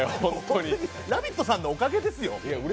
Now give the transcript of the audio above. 「ラヴィット！」さんのおかげですよ？